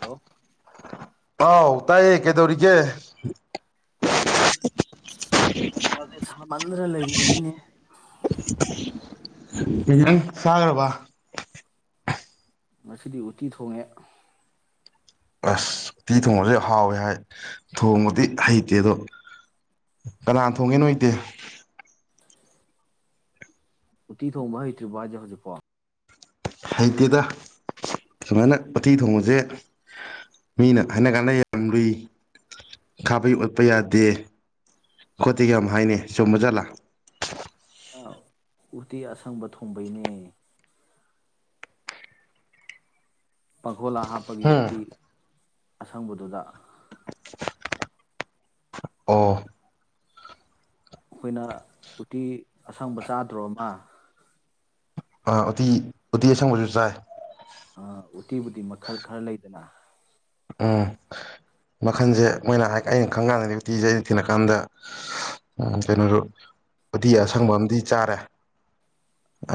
Hello ꯑꯥꯎ ꯇꯥꯏꯌꯦ ꯀꯩꯗꯧꯔꯤꯒꯦ ꯑꯁ ꯅꯨꯡꯁꯥꯁꯦ ꯁꯥꯃꯟꯗꯅ ꯂꯩꯔꯤꯕꯅꯤꯅꯦ ꯀꯩ ꯏꯟꯖꯥꯡ ꯆꯒ꯭ꯔꯕ ꯃꯁꯤꯗꯤ ꯎꯠꯇꯤ ꯊꯣꯡꯉꯦ ꯑꯁ ꯎꯇꯤ ꯊꯣꯡꯕꯁꯨ ꯌꯥꯝ ꯍꯥꯎꯋꯦ ꯍꯥꯏ ꯊꯣꯡꯕꯗꯤ ꯍꯩꯇꯦ ꯑꯗꯣ ꯀꯅꯥꯅ ꯊꯣꯡꯒꯦ ꯅꯣꯏꯗꯤ ꯎꯠꯇꯤ ꯊꯣꯡꯕ ꯍꯩꯇ꯭ꯔꯤꯕ ꯍꯥꯏꯖ ꯍꯧꯖꯤꯛꯄꯣ ꯍꯩꯇꯦꯗ ꯁꯨꯃꯥꯏꯅ ꯎꯊꯤ ꯊꯣꯡꯕꯁꯦ ꯃꯤꯅ ꯍꯥꯏꯅ ꯀꯥꯟꯗ ꯌꯥꯝ ꯂꯨꯏ ꯈꯥꯕꯩ ꯑꯣꯠꯄ ꯌꯥꯗꯦ ꯈꯣꯠꯇꯒꯤ ꯌꯥꯝ ꯍꯥꯏꯅꯩ ꯆꯨꯝꯕ ꯖꯥꯠꯂꯥ ꯎꯇꯤ ꯑꯁꯪꯕ ꯊꯣꯡꯕꯩꯅꯦ ꯂꯥ ꯍꯥꯞꯄꯒꯤ ꯎꯇꯤ ꯑꯁꯪꯕꯗꯨꯗ ꯑꯣ ꯑꯩꯈꯣꯏꯅ ꯎꯇꯤ ꯑꯁꯪꯕ ꯆꯥꯗ꯭ꯔꯣ ꯑꯃ ꯐꯥꯔꯦ ꯎꯇꯤ ꯎꯇꯤ ꯑꯁꯪꯕꯁꯨ ꯆꯥꯏ ꯑ ꯎꯇꯤꯕꯨꯗꯤ ꯃꯈꯜ ꯈꯔ ꯂꯩꯗꯅ ꯎꯝ ꯃꯈꯟꯁꯦ ꯃꯣꯏꯅ ꯑꯩꯅ ꯈꯪꯀꯥꯟꯗꯗꯤ ꯎꯇꯤꯁꯦ ꯑꯩ ꯊꯤꯂꯀꯥꯟꯗ ꯀꯩꯅꯣꯁꯨ ꯎꯇꯤ ꯑꯁꯪꯕ ꯑꯃꯗꯤꯝ ꯆꯥꯔꯦ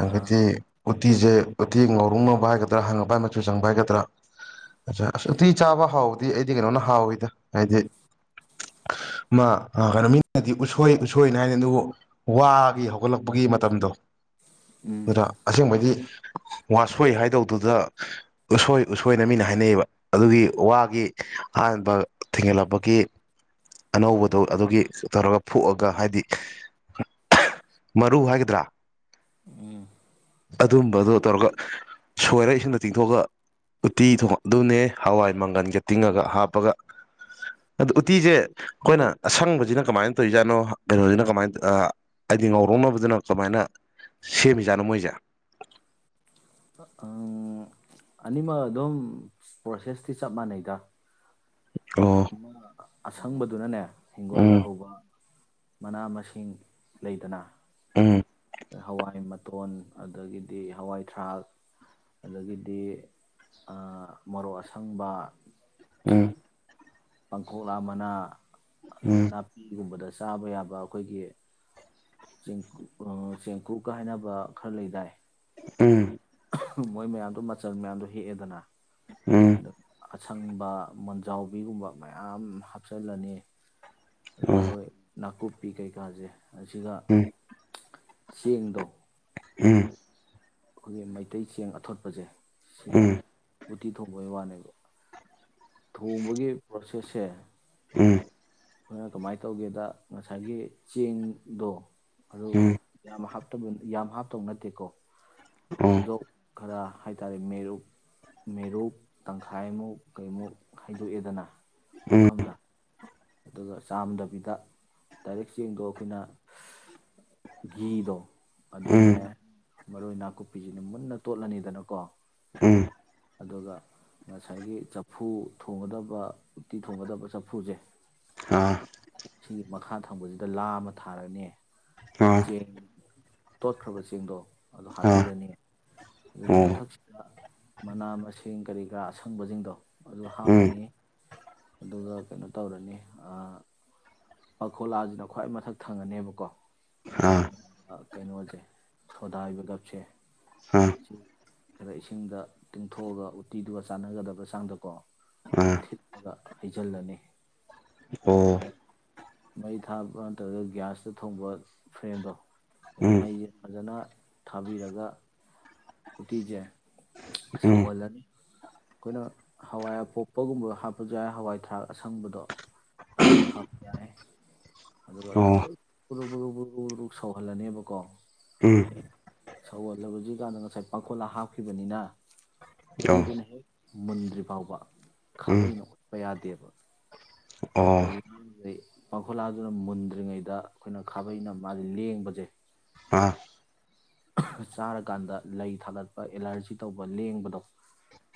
ꯑꯥ ꯎꯇꯤꯁꯦ ꯎꯣꯇꯤ ꯉꯥꯎꯔꯧꯅꯕ ꯍꯥꯏꯒꯗ꯭ꯔꯥ ꯍꯪꯉꯄ ꯍꯥꯏ ꯃꯆꯨ ꯆꯪꯕ ꯍꯥꯏꯒꯗ꯭ꯔꯥ ꯎꯇꯤ ꯆꯥꯕ ꯍꯥꯎꯕꯗꯤ ꯑꯩꯗꯤ ꯀꯩꯅꯣꯅ ꯍꯥꯎꯋꯤꯗ ꯍꯥꯏꯗꯤ ꯃꯥ ꯀꯩꯅꯣ ꯃꯤꯅꯗꯤ ꯎꯁꯣꯏ ꯎꯁꯣꯏꯅ ꯍꯥꯏꯅꯩ ꯑꯗꯨꯕꯨ ꯋꯥꯒꯤ ꯍꯧꯒꯠꯂꯛꯄꯒꯤ ꯃꯇꯝꯗꯣ ꯎꯝ ꯑꯗꯨꯗ ꯑꯁꯦꯡꯕꯗꯤ ꯋꯥꯁꯣꯏ ꯍꯥꯏꯗꯧꯗꯨꯗ ꯎꯁꯣꯏ ꯎꯁꯣꯏꯅ ꯃꯤꯅ ꯍꯥꯏꯅꯩꯌꯦꯕ ꯑꯗꯨꯒꯤ ꯋꯥꯒꯤ ꯑꯍꯥꯟꯕ ꯊꯦꯡꯒꯠꯂꯛꯄꯒꯤ ꯑꯅꯧꯕꯗꯣ ꯑꯗꯨꯒꯤ ꯇꯧꯔꯒ ꯐꯣꯛꯑꯒ ꯍꯥꯏꯗꯤ ꯃꯔꯨ ꯍꯥꯏꯒꯗ꯭ꯔꯥ ꯎꯝ ꯑꯗꯨꯝꯕꯗꯣ ꯇꯧꯔꯒ ꯁꯣꯏꯔꯒ ꯏꯁꯤꯡꯗ ꯇꯤꯡꯊꯣꯛꯑꯒ ꯎꯠꯇꯤ ꯊꯣꯡꯉ ꯑꯗꯨꯅꯦ ꯍꯋꯥꯏ ꯃꯪꯒꯜꯒ ꯇꯤꯡꯉꯒ ꯍꯥꯞꯄꯒ ꯑꯗꯨ ꯎꯇꯤꯁꯦ ꯑꯩꯈꯣꯏꯅ ꯑꯁꯪꯕꯁꯤꯅ ꯀꯃꯥꯏꯅ ꯇꯧꯔꯤꯖꯥꯠꯅꯣ ꯀꯩꯅꯣꯁꯤꯅ ꯀꯃꯥꯏꯅ ꯍꯥꯏꯗꯤ ꯉꯥꯎꯔꯧꯅꯕꯗꯨꯅ ꯀꯃꯥꯏꯅ ꯁꯦꯝꯃꯤꯖꯥꯠꯅꯣ ꯃꯣꯏꯁꯦ ꯑꯅꯤꯃꯛ ꯑꯗꯨꯝ ꯄ꯭ꯔꯣꯁꯦꯁꯇꯤ ꯆꯞ ꯃꯥꯟꯅꯩꯗ ꯑꯣ ꯊꯃ ꯑꯁꯪꯕꯗꯨꯅꯅꯦ ꯍꯒꯣꯜꯗ ꯎꯝ ꯍꯧꯕ ꯃꯅꯥ ꯃꯁꯤꯡ ꯂꯩꯗꯅ ꯎꯝ ꯍꯋꯥꯏ ꯃꯇꯣꯟ ꯑꯗꯒꯤꯗꯤ ꯍꯋꯥꯏ ꯊꯔꯥꯛ ꯑꯗꯒꯤꯗꯤ ꯃꯣꯔꯣꯛ ꯑꯁꯪꯕ ꯎꯝ ꯄꯥꯡꯈꯣꯛꯂꯥ ꯑꯃꯅꯥ ꯎꯝ ꯅꯥꯄꯤꯒꯨꯝꯕꯗ ꯆꯥꯕ ꯌꯥꯕ ꯑꯩꯈꯣꯏꯒꯤ ꯦꯡ ꯆꯦꯡꯀꯨꯞꯀ ꯍꯥꯏꯅꯕ ꯈꯔ ꯂꯩꯗꯥꯏ ꯎꯝ ꯃꯣꯏ ꯃꯌꯥꯝꯗꯣ ꯃꯆꯜ ꯃꯌꯥꯝꯗꯣ ꯍꯦꯛꯑꯦꯗꯅ ꯎꯝ ꯑꯗ ꯑꯁꯪꯕ ꯃꯣꯟꯖꯥꯎꯕꯤꯒꯨꯝꯕ ꯃꯌꯥꯝ ꯍꯥꯞꯆꯤꯜꯂꯅꯤ ꯑꯗꯨ ꯑꯣ ꯃꯔꯔ ꯑꯣꯏꯣꯏ ꯅꯥꯀꯨꯞꯄꯤ ꯀꯩꯀꯥꯁꯦ ꯑꯁꯤꯒ ꯎꯝ ꯆꯦꯡꯗꯣ ꯎꯝ ꯑꯩꯈꯣꯏꯒꯤ ꯃꯩꯇꯩ ꯆꯦꯡ ꯑꯊꯣꯠꯄꯁꯦ ꯁꯤꯒ ꯎꯝ ꯎꯇꯤ ꯊꯣꯡꯕꯒꯤ ꯋꯥꯅꯦꯕ ꯊꯣꯡꯕꯒꯤ ꯄ꯭ꯔꯣꯁꯦꯁꯁꯦ ꯎꯝ ꯑꯩꯈꯣꯏꯅ ꯀꯃꯥꯏꯅ ꯇꯧꯒꯦꯗ ꯉꯁꯥꯏꯒꯤ ꯆꯦꯡꯗꯣ ꯑꯗꯨ ꯎꯝ ꯌꯥꯝ ꯍꯥꯞꯇꯕ ꯌꯥꯝ ꯍꯥꯞꯇꯕ ꯅꯠꯇꯦꯀꯣ ꯑꯣ ꯍꯧꯗꯣꯛ ꯈꯔ ꯍꯥꯏ ꯇꯔꯦ ꯃꯔꯨꯞ ꯃꯦꯔꯨꯞ ꯇꯪꯈꯥꯏꯃꯨꯛ ꯀꯩꯃꯨꯛ ꯍꯥꯏꯩꯗꯣꯛꯑꯦꯗꯅ ꯎꯝ ꯄꯨꯈꯝꯗ ꯑꯗꯨꯒ ꯆꯥꯝꯗꯕꯤꯗ ꯗꯥꯏꯔꯛ ꯆꯦꯡꯗꯣ ꯑꯩꯈꯣꯏꯅ ꯘꯤꯗꯣ ꯎꯝ ꯑꯗꯨꯅꯦ ꯃꯔꯣꯏ ꯅꯥꯀꯨꯞꯄꯤꯁꯤꯅ ꯃꯨꯟꯅ ꯇꯣꯠꯂꯅꯤꯗꯅꯀꯣ ꯎꯝ ꯑꯗꯨꯒ ꯉꯁꯥꯏꯒꯤ ꯆꯐꯨ ꯊꯣꯡꯒꯗꯕ ꯎꯇꯤ ꯊꯣꯡꯒꯗꯕ ꯆꯐꯨꯁꯦ ꯑꯥ ꯁꯤꯒꯤ ꯃꯈꯥ ꯊꯪꯕꯁꯤꯗ ꯂꯥ ꯑꯃ ꯊꯥꯔꯅꯤ ꯑꯗꯨ ꯑꯥ ꯆꯦꯡ ꯇꯣꯠꯈ꯭ꯔꯕ ꯆꯦꯡꯗꯣ ꯑꯗꯨꯣ ꯑꯥ ꯍꯥꯞꯄꯤꯔꯅꯤ ꯑꯗꯨꯒꯤ ꯑꯣ ꯃꯊꯛꯁꯤꯗ ꯃꯅꯥ ꯃꯁꯤꯡ ꯀꯔꯤ ꯀꯔꯥ ꯑꯁꯪꯕꯁꯤꯡꯗꯣ ꯑꯗꯨ ꯎꯝ ꯍꯥꯞꯄꯅꯤ ꯑꯗꯨꯒ ꯀꯩꯅꯣ ꯇꯧꯔꯅꯤ ꯄꯥꯈꯣꯂꯥꯁꯤꯅ ꯈ꯭ꯋꯥꯏ ꯃꯊꯛ ꯊꯪꯉꯅꯦꯕꯀꯣ ꯑꯥ ꯑꯗꯨꯒ ꯀꯩꯅꯣꯁꯦ ꯁꯣꯗꯥꯕꯒꯞꯁꯦ ꯑꯥ ꯁꯤ ꯈꯔ ꯏꯁꯤꯡꯗ ꯇꯤꯡꯊꯣꯛꯑꯒ ꯎꯠꯇꯤꯗꯨꯒ ꯆꯥꯟꯅꯒꯗꯕ ꯆꯥꯡꯗꯀꯣ ꯑꯥ ꯊꯤꯠꯂꯒ ꯍꯩꯖꯤꯜꯂꯅꯤ ꯑꯣ ꯑ ꯃꯩ ꯊꯥꯕ ꯅꯠꯇ꯭ꯔꯒ ꯒ꯭ꯌꯥꯁꯇ ꯊꯣꯡꯕ ꯐ꯭ꯔꯦꯝꯗꯣ ꯑꯗꯨ ꯎꯝ ꯃꯩꯁꯦ ꯐꯖꯅ ꯊꯥꯕꯤꯔꯒ ꯎꯇꯤꯁꯦ ꯎꯝ ꯁꯥꯎꯍꯜꯂꯅꯤ ꯑꯩꯈꯣꯏꯅ ꯍꯋꯥꯏ ꯑꯄꯣꯛꯄꯒꯨꯝꯕ ꯍꯥꯞꯄꯁꯨ ꯌꯥꯏ ꯍꯋꯥꯏ ꯊꯔꯥꯛ ꯑꯁꯪꯕꯗꯣ ꯑꯗꯨꯁꯨ ꯍꯥꯞ ꯌꯥꯑꯦ ꯑꯗꯨꯒ ꯑꯣ ꯐ ꯁꯧꯍꯜꯂꯅꯦꯕꯀꯣ ꯎꯝ ꯁꯧꯍꯜꯂꯖꯤ ꯀꯥꯟꯗ ꯉꯁꯥꯏ ꯄꯥꯡꯈꯣꯠꯂꯥ ꯍꯥꯞꯈꯤꯕꯅꯤꯅ ꯑꯣ ꯎꯇꯤꯗꯨꯅ ꯍꯦꯛ ꯃꯨꯟꯗ꯭ꯔꯤ ꯐꯥꯎꯕ ꯎꯝ ꯈꯥꯕꯩꯅ ꯈꯣꯠꯄ ꯌꯥꯗꯦꯕ ꯑꯣ ꯀꯩꯒꯤꯅꯣ ꯍꯥꯏ ꯄꯥꯡꯈꯨꯂꯥꯗꯨꯅ ꯃꯨꯟꯗ꯭ꯔꯤꯉꯩꯗ ꯑꯩꯈꯣꯏꯅ ꯈꯥꯕꯩꯅ ꯃꯥꯁ ꯂꯦꯡꯕꯁꯦ ꯑꯥ ꯆꯥꯔꯀꯥꯟꯗ ꯂꯩ ꯊꯥꯒꯠꯄ ꯑꯦꯂꯔꯖꯤ ꯇꯧꯕ ꯂꯦꯡꯕꯗꯣ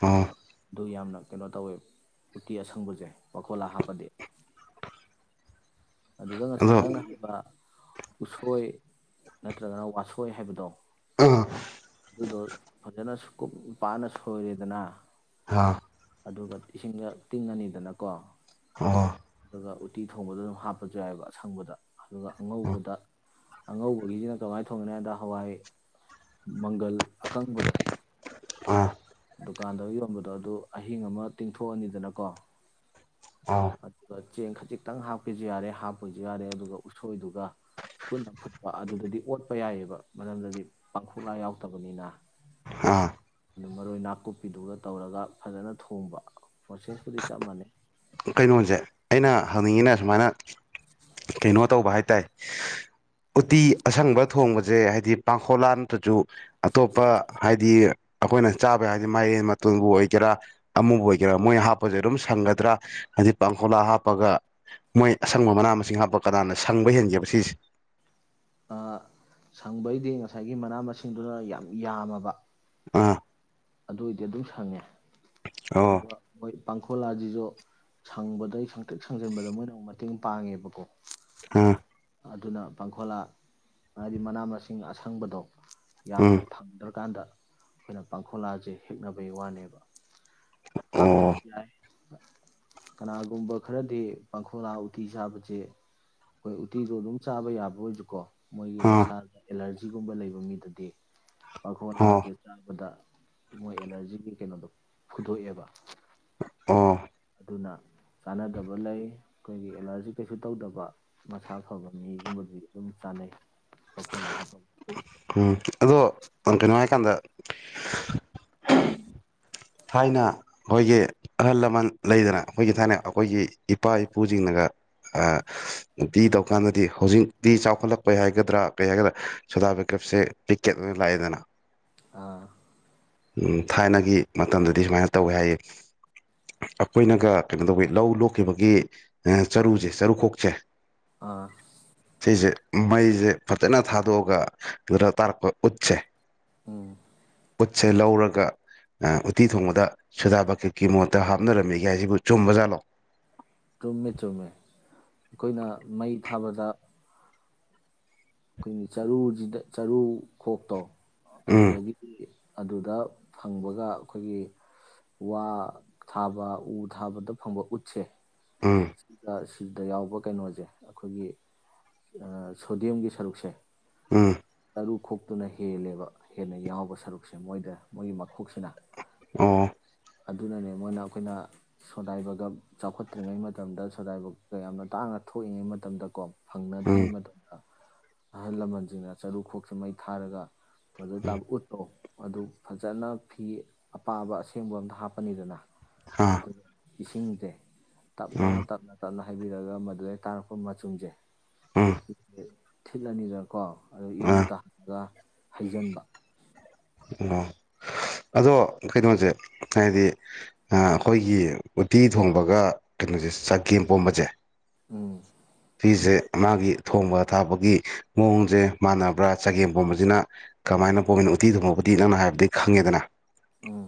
ꯑꯣ ꯑꯗꯨ ꯌꯥꯝꯅ ꯀꯩꯅꯣ ꯇꯧꯋꯦ ꯎꯇꯤ ꯑꯁꯪꯕꯁꯦ ꯋꯥꯈꯣꯜꯂꯥ ꯍꯥꯞꯄꯗꯤ ꯑꯗꯨꯗ ꯉꯁꯥꯏ ꯑꯗꯣ ꯅꯪꯅ ꯍꯥꯏꯕ ꯎꯁꯣꯏ ꯅꯠꯇ꯭ꯔꯒꯅ ꯋꯥꯁꯣꯏ ꯍꯥꯏꯕꯗꯣ ꯑꯥ ꯑꯗꯨꯗꯣ ꯐꯖꯅꯀꯨꯞ ꯄꯥꯅ ꯁꯣꯏꯔꯦꯗꯅ ꯑꯥ ꯑꯗꯨꯒ ꯏꯁꯤꯡꯗ ꯇꯤꯡꯉꯅꯤꯗꯅꯀꯣ ꯑꯣ ꯑꯗꯨꯒ ꯎꯇꯤ ꯊꯣꯡꯕꯗ ꯑꯗꯨꯝ ꯍꯥꯞꯄꯁꯨ ꯌꯥꯏꯑꯕ ꯑꯁꯪꯕꯗ ꯑꯗꯨꯒ ꯑꯉꯧꯕꯗ ꯑꯉꯧꯕꯒꯤꯁꯤꯅ ꯀꯃꯥꯏꯅ ꯊꯣꯡꯒꯅꯤ ꯍꯥꯏꯕꯗ ꯍꯋꯥꯏ ꯃꯪꯒꯜ ꯑꯀꯪꯕꯗꯣ ꯑꯥ ꯗꯨꯀꯥꯟꯗ ꯌꯣꯟꯕꯗꯣ ꯑꯗꯨ ꯑꯍꯤꯡ ꯑꯃ ꯇꯤꯡꯊꯣꯛꯑꯅꯤꯗꯅꯀꯣ ꯑꯥ ꯑꯗꯨꯒ ꯆꯦꯡ ꯈꯖꯤꯛꯇꯪ ꯍꯥꯞꯄꯁꯨ ꯌꯥꯔꯦ ꯍꯥꯞꯄꯁꯨ ꯌꯥꯔꯦ ꯑꯗꯨꯒ ꯎꯁꯣꯏꯗꯨꯒ ꯄꯨꯟꯅ ꯐꯨꯠꯄ ꯑꯗꯨꯗꯗꯤ ꯑꯣꯠꯄ ꯌꯥꯏꯑꯕ ꯃꯔꯝꯗꯗꯤ ꯄꯥꯡꯈꯨꯂꯥ ꯌꯥꯎꯗꯕꯅꯤꯅ ꯑꯥ ꯃꯔꯣꯏ ꯅꯥꯀꯨꯞꯄꯤꯗꯨꯒ ꯇꯧꯔꯒ ꯐꯖꯅ ꯊꯣꯡꯕ ꯄ꯭ꯔꯣꯁꯦꯁꯄꯨꯗꯤ ꯆꯞ ꯃꯥꯟꯅꯩ ꯀꯩꯅꯣꯁꯦ ꯑꯩꯅ ꯍꯪꯅꯤꯡꯉꯤꯅ ꯁꯨꯃꯥꯏꯅ ꯀꯩꯅꯣ ꯇꯧꯕ ꯍꯥꯏ ꯇꯔꯦ ꯎꯇꯤ ꯑꯁꯪꯕ ꯊꯣꯡꯕꯁꯦ ꯍꯥꯏꯗꯤ ꯄꯥꯡꯈꯣꯂꯥ ꯅꯠꯇ꯭ꯔꯁꯨ ꯑꯇꯣꯞꯄ ꯍꯥꯏꯗꯤ ꯑꯩꯈꯣꯏꯅ ꯆꯥꯕ ꯌꯥ ꯍꯥꯏꯕꯗꯤ ꯃꯔꯦꯟ ꯃꯇꯣꯟꯕꯨ ꯑꯣꯏꯒꯦꯔꯥ ꯑꯃꯨꯕꯨ ꯑꯣꯏꯒꯦꯔꯥ ꯃꯣꯏꯅ ꯍꯥꯞꯄꯁꯦ ꯑꯗꯨꯝ ꯁꯪꯒꯗ꯭ꯔꯥ ꯍꯥꯏꯗꯤ ꯄꯥꯡꯈꯣꯂꯥ ꯍꯥꯞꯄꯒ ꯃꯣꯏ ꯑꯁꯪꯕ ꯃꯅꯥ ꯃꯁꯤꯡ ꯍꯥꯞꯄ ꯀꯅꯥꯗ ꯁꯪꯕ ꯍꯦꯟꯒꯦꯕ ꯁꯤꯁꯦ ꯁꯪꯕꯩꯗꯤ ꯉꯁꯥꯏꯒꯤ ꯃꯅꯥ ꯃꯁꯤꯡꯗꯨꯅ ꯌꯥꯝ ꯌꯥꯝꯃꯕ ꯑꯥ ꯑꯗꯨꯏꯗꯤ ꯑꯗꯨꯝ ꯁꯪꯉꯦ ꯑꯣ ꯑꯗꯨꯣꯏ ꯄꯥꯡꯈꯣꯂꯥꯁꯤꯁꯨ ꯁꯪꯕꯗꯩ ꯁꯪꯇ꯭ꯔꯤꯛ ꯁꯪꯖꯟꯕꯗ ꯃꯣꯏꯅ ꯑꯃꯨꯛ ꯃꯇꯦꯡ ꯄꯥꯡꯉꯦꯕꯀꯣ ꯑꯥ ꯑꯗꯨꯅ ꯄꯥꯡꯈꯣꯂꯥ ꯍꯥꯏꯗꯤ ꯃꯅꯥ ꯃꯁꯤꯡ ꯑꯁꯪꯕꯗꯣ ꯎꯝ ꯌꯥꯝꯅ ꯐꯪꯗ꯭ꯔꯀꯥꯟꯗ ꯑꯩꯈꯣꯏꯅ ꯄ ꯈꯣꯂꯥꯁꯦ ꯍꯦꯛꯅꯕꯩ ꯋꯥꯅꯦꯕ ꯍꯥꯞ ꯑꯣ ꯇꯁꯤ ꯀꯅꯥꯒꯨꯝꯕ ꯈꯔꯗꯤ ꯄꯥꯡꯈꯣꯂꯥ ꯎꯇꯤ ꯆꯥꯕꯁꯦ ꯑꯩꯈꯣꯏ ꯎꯇꯤꯗꯣ ꯑꯗꯨꯝ ꯆꯥꯕ ꯌꯥꯕ ꯑꯣꯏꯁꯨꯀꯣ ꯃꯣꯏꯒꯤ ꯑꯥ ꯃꯁꯥꯗ ꯑꯦꯂꯔꯖꯤ ꯑꯁꯤꯒꯨꯝꯕ ꯂꯩꯕ ꯃꯤꯗꯗꯤ ꯑꯣ ꯃꯈꯈꯣꯂꯥꯁꯦ ꯆꯥꯕꯗ ꯃꯣꯏ ꯑꯦꯅꯔꯖꯤꯒꯤ ꯀꯩꯅꯣꯗꯣ ꯐꯨꯗꯣꯛꯑꯦꯕ ꯑꯥ ꯑꯗꯨꯅ ꯆꯥꯟꯅꯗꯕ ꯂꯩ ꯑꯩꯈꯣꯏꯒꯤ ꯑꯦꯂꯔꯖꯤ ꯀꯩꯁꯨ ꯇꯧꯗꯕ ꯃꯁꯥ ꯐꯕ ꯃꯤꯒꯨꯝꯕꯗꯤ ꯑꯗꯨꯝ ꯆꯥꯅꯩ ꯄꯥꯡꯈꯣꯂꯥ ꯍꯥꯞꯄ ꯎꯝ ꯑꯗꯣ ꯀꯇꯩꯅꯅꯨꯡꯉꯥꯏ ꯀꯥꯟꯗ ꯊꯥꯏꯅ ꯑꯩꯈꯣꯏꯒꯤ ꯑꯍꯜ ꯂꯃꯟ ꯂꯩꯗꯅ ꯑꯩꯈꯣꯏꯒꯤ ꯊꯥꯏꯅ ꯑꯩꯈꯣꯏꯒꯤ ꯏꯄꯥ ꯏꯄꯨꯁꯤꯡꯅꯒ ꯗꯤ ꯇꯧꯀꯥꯟꯗꯗꯤ ꯍꯧꯖꯤꯛꯇꯤ ꯆꯥꯎꯈꯠꯂꯛꯄꯩ ꯍꯥꯏꯒꯗ꯭ꯔꯥ ꯀꯔꯤ ꯍꯥꯏꯒꯗ꯭ꯔꯥ ꯁꯣꯗꯥ ꯄꯦꯀꯦꯞꯁꯦ ꯄꯦꯛꯀꯦꯠ ꯑꯣꯏꯅ ꯂꯥꯛꯑꯦꯗꯅ ꯑꯥ ꯊꯥꯏꯅꯒꯤ ꯃꯇꯝꯗꯗꯤ ꯁꯨꯃꯥꯏꯅ ꯇꯧꯋꯦ ꯍꯥꯏꯌꯦ ꯑꯩꯈꯣꯏꯅꯒ ꯀꯩꯅꯣ ꯇꯧꯋ ꯂꯧ ꯂꯣꯛꯈꯤꯕꯒꯤ ꯆꯔꯨꯁꯦ ꯆꯔꯨꯈꯣꯛꯁꯦ ꯑꯥ ꯁꯤꯁꯦ ꯃꯩꯁꯦ ꯐꯖꯅ ꯊꯥꯗꯣꯛꯑꯒ ꯑꯗꯨꯗ ꯇꯥꯔꯛꯄ ꯎꯠꯁꯦ ꯎꯝ ꯁꯦ ꯂꯧꯔꯒ ꯎꯠꯇꯤ ꯊꯣꯡꯕꯗ ꯁꯨꯗꯥ ꯕꯀꯤꯠꯀꯤ ꯃꯣꯠꯇ ꯍꯥꯞꯅꯔꯝꯃꯤꯒꯥꯏꯁꯤꯕꯨ ꯆꯨꯝꯕ ꯖꯥꯠꯂꯥꯛ ꯆꯨꯝꯃꯦ ꯆꯨꯝꯃꯦ ꯑꯩꯈꯣꯏꯅ ꯃꯩ ꯊꯥꯕꯗ ꯑꯩꯈꯣꯏꯒꯤ ꯆꯔꯨꯁꯤꯗ ꯆꯔꯨ ꯈꯣꯛꯇꯣ ꯎꯝ ꯑꯗꯨꯗꯒꯤꯗꯤ ꯑꯗꯨꯗ ꯐꯪꯕꯒ ꯑꯩꯈꯣꯏꯒꯤ ꯋꯥ ꯊꯥꯕ ꯎ ꯊꯥꯕꯗ ꯐꯪꯕ ꯎꯠꯁꯦ ꯎꯝ ꯁꯤꯗꯁꯤ ꯁꯤꯗ ꯌꯥꯎꯕ ꯀꯩꯅꯣꯁꯦ ꯑꯩꯈꯣꯏꯒꯤ ꯁꯣꯗꯤꯌꯦꯝꯒꯤ ꯁꯔꯨꯛꯁꯦ ꯎꯝ ꯇꯔꯨ ꯈꯣꯛꯇꯨꯅ ꯍꯦꯜꯂꯦꯕ ꯍꯦꯟꯅ ꯌꯥꯎꯕ ꯁꯔꯨꯛꯁꯦ ꯃꯣꯏꯗ ꯃꯣꯏꯒꯤ ꯃꯈꯣꯛꯁꯤꯅ ꯑꯣ ꯑꯗꯨꯅꯅꯦ ꯃꯣꯏꯅ ꯑꯩꯈꯣꯏꯅ ꯁꯣꯗꯥꯏꯕꯒ ꯆꯥꯎꯈꯠꯇ꯭ꯔꯤꯉꯩ ꯃꯇꯝꯗ ꯁꯒꯥꯏꯕꯧꯀ ꯌꯥꯝꯅ ꯇꯥꯡꯅ ꯊꯣꯛꯏꯉꯩ ꯃꯇꯝꯗꯀꯣ ꯐꯪꯅꯗ꯭ꯔꯤꯩ ꯎꯝ ꯃꯇꯝ ꯃꯇꯝ ꯑꯍꯜ ꯂꯃꯟꯁꯤꯡꯅ ꯆꯔꯨ ꯈꯣꯛꯁꯤꯦ ꯃꯩ ꯊꯥꯔꯒ ꯃꯗꯨ ꯇ ꯎꯠꯠꯇꯣ ꯑꯗꯨ ꯐꯖꯅ ꯐꯤ ꯑꯄꯥꯕ ꯑꯁꯦꯡꯕ ꯑꯝꯇ ꯍꯥꯞꯄꯅꯤꯗꯅ ꯑꯥ ꯑꯗꯨ ꯏꯁꯤꯡꯁꯦ ꯇꯞꯅ ꯎꯝ ꯇꯞꯅ ꯇꯞꯅ ꯍꯥꯏꯕꯤꯔꯛꯑꯒ ꯃꯗꯨꯗꯩ ꯇꯥꯔꯛꯄ ꯃꯆꯨꯝꯁꯦ ꯎꯝ ꯁꯤ ꯊꯤꯠꯂꯅꯤꯗ ꯀꯣ ꯑꯗꯨꯗꯣ ꯑꯥ ꯏꯔꯨꯗꯜꯂꯒ ꯍꯩꯖꯤꯟꯕ ꯑ ꯑꯗꯣ ꯀꯩꯅꯣꯁꯦ ꯍꯥꯏꯗꯤ ꯑꯩꯈꯣꯏꯒꯤ ꯎꯠꯇꯤ ꯊꯣꯡꯕꯒ ꯀꯩꯅꯣꯁꯦ ꯆꯒꯦꯝ ꯄꯣꯝꯕꯁꯦ ꯎꯝ ꯎꯇꯤꯁꯦ ꯃꯥꯒꯤ ꯊꯣꯡꯕ ꯊꯥꯕꯒꯤ ꯃꯑꯣꯡꯁꯦ ꯃꯥꯟꯅꯕ꯭ꯔꯥ ꯆꯒꯦꯝ ꯄꯣꯝꯕꯁꯤꯅ ꯀꯃꯥꯏꯅ ꯄꯣꯝꯃꯤꯅꯣ ꯎꯇꯤ ꯊꯣꯡꯉꯄꯗꯤ ꯅꯪꯅ ꯍꯥꯏꯕꯗꯤ ꯈꯪꯉꯦꯗꯅ ꯎꯝ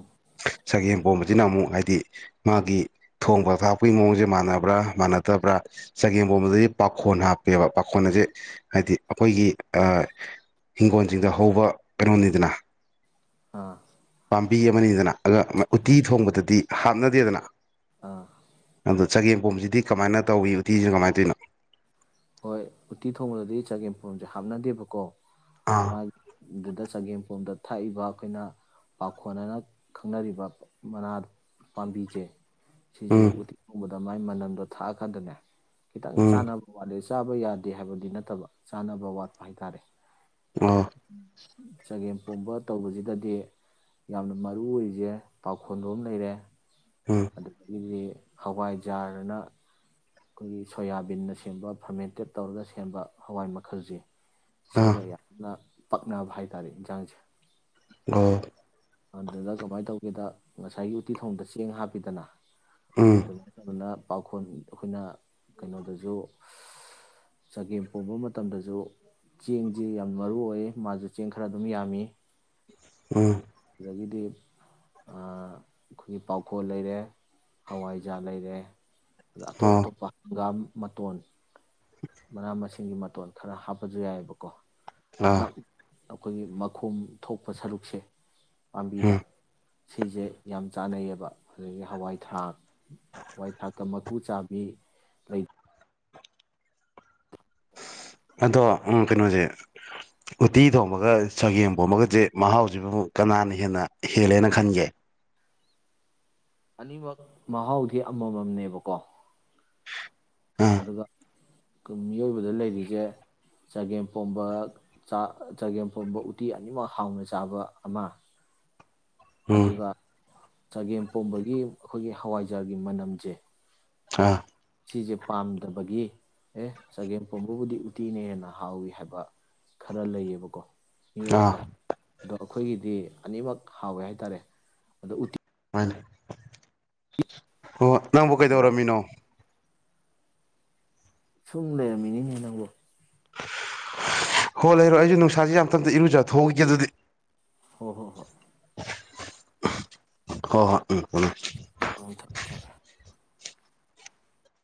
ꯁꯒꯦꯝ ꯑꯄꯣꯝꯕꯁꯤꯅ ꯑꯃꯨꯛ ꯍꯥꯏꯗꯤ ꯃꯥꯒꯤ ꯊꯣꯡꯕ ꯊꯥꯛꯄꯒꯤ ꯃꯑꯣꯡꯁꯦ ꯃꯥꯟꯅꯕ꯭ꯔꯥ ꯃꯥꯟꯅꯗꯕ꯭ꯔꯥ ꯆꯒ ꯑꯝꯕꯣꯝꯕꯗꯗꯤ ꯄꯥꯈꯣꯟ ꯍꯥꯞꯄꯦꯕ ꯄꯥꯈꯣꯟ ꯑꯁꯦ ꯍꯥꯏꯗꯤ ꯑꯩꯈꯣꯏꯒꯤ ꯏꯤꯡꯈꯣꯜꯁꯤꯡꯗ ꯍꯧꯕ ꯀꯩꯅꯣꯅꯤꯗꯅ ꯑ ꯕꯤ ꯑꯃꯅꯤꯗꯅ ꯑꯒ ꯎꯇꯤ ꯊꯣꯡꯕꯗꯗꯤ ꯍꯥꯞꯅꯗꯦꯗꯅ ꯑꯥ ꯆꯒꯦꯝ ꯈꯣꯁꯤꯗꯤ ꯀꯃꯥꯏꯅ ꯇꯧꯋꯤ ꯎꯇꯤꯁꯤꯅ ꯀꯃꯥꯏꯅ ꯇꯤꯟ ꯍꯣꯏ ꯎꯇꯤ ꯊꯣꯡꯕꯗꯗꯤ ꯆꯒꯦꯝ ꯐꯣꯔꯝꯁꯦ ꯍꯥꯞꯅꯗꯦꯕꯀꯣ ꯑꯥ ꯃꯥ ꯗꯗꯥ ꯆ ꯦꯝ ꯐꯣ ꯇ ꯊꯥꯛꯏꯕ ꯑꯩꯈꯣꯏꯅ ꯄꯥꯈꯣꯟ ꯍꯥꯏꯅ ꯈꯪꯅꯔꯤꯕ ꯃꯅꯥ ꯄꯥꯝꯕꯤꯁꯦ ꯁꯤꯦ ꯎꯝ ꯑꯗꯨ ꯃꯥꯏ ꯃꯅꯝꯗꯣ ꯊꯥꯛꯑ ꯈꯗꯅꯦ ꯈꯤꯇꯪ ꯎꯝ ꯆꯥꯟꯅꯕ ꯑꯗꯩ ꯆꯥꯕ ꯌꯥꯗꯦ ꯍꯥꯏꯕꯗꯤ ꯅꯠꯇꯕ ꯆꯥꯅꯕ ꯋꯥꯠꯄ ꯍꯥꯏꯇꯥꯔꯦ ꯑ ꯆꯒꯦꯝ ꯄꯣꯝꯕ ꯇꯧꯕꯁꯤꯗꯗꯤ ꯌꯥꯝꯅ ꯃꯔꯨ ꯑꯣꯏꯁꯦ ꯄꯥꯎꯈꯣꯟꯕꯣ ꯑꯃ ꯂꯩꯔꯦ ꯎꯝ ꯑꯗꯨ ꯏꯗꯤ ꯍꯋꯥꯏꯖꯥꯔꯅ ꯑꯩꯈꯣꯏꯒꯤ ꯁꯣꯌꯥꯕꯤꯟꯅ ꯁꯦꯝꯕ ꯐꯔꯃꯦꯟꯇꯦꯠ ꯇꯧꯔꯒ ꯁꯦꯝꯕ ꯍꯋꯥꯏ ꯃꯈꯜꯁꯦ ꯑꯥ ꯁꯤꯒ ꯌꯥꯝꯅ ꯄꯛꯅꯕ ꯍꯥꯏꯇꯥꯔꯦ ꯌꯦꯟꯁꯥꯡꯁꯦ ꯑ ꯑꯗꯨꯗ ꯀꯃꯥꯏꯅ ꯇꯧꯒꯦꯗ ꯉꯁꯥꯏꯒꯤ ꯎꯠꯇꯤ ꯊꯣꯡꯗ ꯆꯦꯡ ꯍꯥꯞꯄꯤꯗꯅ ꯎꯝ ꯑꯗꯨꯅ ꯄꯥꯈꯣꯟ ꯑꯩꯈꯣꯏꯅ ꯀꯩꯅꯣꯗꯁꯨ ꯆꯒꯦꯝ ꯄꯣꯝꯕ ꯃꯇꯝꯗꯁꯨ ꯆꯦꯡꯁꯤ ꯌꯥꯝ ꯃꯔꯨ ꯑꯣꯏ ꯃꯥꯁꯨ ꯆꯦꯡ ꯈꯔ ꯑꯗꯨꯝ ꯌꯥꯝꯃꯤ ꯎꯝ꯫ ꯑꯗꯒꯤꯗꯤ ꯑꯩꯈꯣꯏꯒꯤ ꯄꯥꯎꯈꯣꯜ ꯂꯩꯔꯦ ꯍꯋꯥꯏꯖꯥꯔ ꯂꯩꯔꯦ ꯑꯣ ꯑꯇꯣꯞꯇꯣꯞ ꯍꯪꯒꯥꯝ ꯃꯇꯣꯟ ꯃꯅꯥ ꯃꯁꯤꯡꯒꯤ ꯃꯇꯣꯟ ꯈꯔ ꯍꯥꯞꯄꯁꯨ ꯌꯥꯏꯑꯕꯀꯣ꯫ [unintelligible] ꯑꯥ ꯑꯩꯈꯣꯏꯒꯤ ꯃꯈꯣꯝ ꯊꯣꯛꯄ ꯁꯔꯨꯛꯁꯦ ꯄꯥꯝꯕꯤꯗ ꯎꯝ ꯁꯤꯁꯦ ꯌꯥꯝ ꯆꯥꯟꯅꯩꯑꯌꯦꯕ ꯑꯗꯒꯤ ꯍꯋꯥꯏ ꯊꯔꯥꯛ ꯍꯋꯥꯏ ꯊꯔꯛ ꯀꯥ ꯀꯨ ꯆꯥꯕꯤ ꯂꯩ ꯑꯗꯣ ꯎ ꯀꯩꯅꯣꯁꯦ ꯎꯠꯇꯤ ꯊꯣꯡꯕꯒ ꯆꯒꯦꯝ ꯄꯣꯝꯒꯁꯦ ꯃꯍꯥꯎꯁꯤꯕꯨꯛ ꯀꯅꯥꯅ ꯍꯦꯟꯅ ꯍꯦꯜꯂꯦꯅ ꯈꯟꯒꯦ? ꯑꯅꯤꯃꯛ ꯃꯍꯥꯎꯗꯤ ꯑꯃꯃꯝꯅꯦꯕꯀꯣ ꯑꯥ ꯑꯗꯨꯒ ꯃꯤꯑꯣꯏꯕꯗ ꯂꯩꯔꯤꯁꯦ ꯆꯒꯦꯝꯄꯣꯝꯕ ꯆꯒꯦꯝꯄꯣꯝꯕ ꯎꯇꯤ ꯑꯅꯤꯃꯛ ꯍꯥꯎꯅ ꯆꯥꯕ ꯑꯃ ꯎꯝ ꯑꯗꯨꯒ ꯆꯒꯦꯝ ꯄꯣꯝꯕꯒꯤ ꯑꯩꯈꯣꯏꯒꯤ ꯍꯋꯥꯏꯖꯥꯔꯒꯤ ꯃꯅꯝꯁꯦ ꯑ꯫ ꯁꯤꯁꯦ ꯄꯥꯝꯗꯕꯒꯤ ꯑꯦ ꯆꯒꯦꯝ ꯄꯣꯝꯕꯕꯨꯗꯤ ꯎꯇꯤꯅ ꯍꯦꯟꯅ ꯍꯥꯎꯏ ꯍꯥꯏꯕ ꯈꯔ ꯂꯩꯌꯦꯕꯀꯣ ꯃꯤꯑꯣꯏ ꯑꯥ ꯈꯔ ꯑꯗꯣ ꯑꯩꯈꯣꯏꯒꯤꯗꯤ ꯑꯅꯤꯃꯛ ꯍꯥꯎꯋꯦ ꯍꯥꯏꯇꯥꯔꯦ ꯑꯗ ꯎꯇꯤ ꯃꯥꯅꯦ꯫ ꯑꯣ ꯅꯪꯕꯨ ꯀꯩꯗꯧꯔꯝꯃꯤꯅꯣ? ꯁꯨꯝ ꯂꯩꯔꯝꯃꯤꯅꯤꯅꯦ ꯅꯪꯕꯨ꯫ ꯍꯣꯏ ꯂꯩꯔꯣꯏ ꯑꯩꯁꯨꯦ ꯅꯨꯡꯁꯥꯥꯁꯦ ꯌꯥꯝꯇꯟꯇ ꯏꯔꯨꯖꯥ ꯊꯣꯛꯈꯤꯒꯦ ꯑꯗꯨꯗꯤ꯫ ꯍꯣꯏ - ꯍꯣꯏ- ꯍꯣꯏ꯫ ꯍꯣ ꯍꯣ ꯎꯝ ꯑ ꯊꯝꯃꯦ- ꯊꯝꯃꯦ꯫